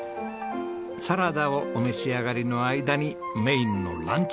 サラダをお召し上がりの間にメインのランチ